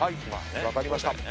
はい分かりました。